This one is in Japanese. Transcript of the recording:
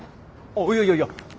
あっいやいやいや！